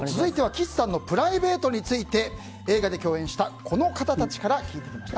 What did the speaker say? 岸さんのプライベートについて映画で共演したこの方たちから聞きました。